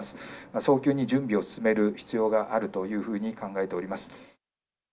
早急に準備を進める必要があるというふうに考えております。